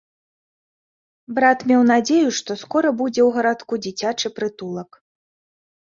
Брат меў надзею, што скора будзе ў гарадку дзіцячы прытулак.